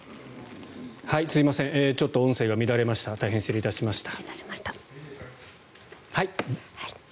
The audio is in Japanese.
ちょっと音声が乱れました大変失礼いたしました。